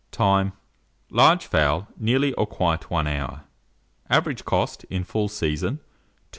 Time. Large fowl, nearly or quite 1 hour. Average cost, in full season, 2s.